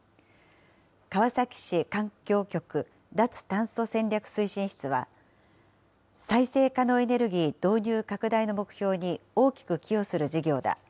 川崎市環境局脱炭素戦略推進室は、再生可能エネルギー導入拡大の目標に大きく寄与する事業だ。